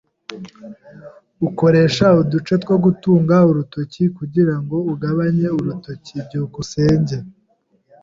Ukoresha uduce two gutunga urutoki kugirango ugabanye urutoki? byukusenge